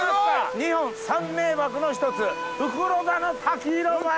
日本三名瀑の一つ袋田の滝の前で！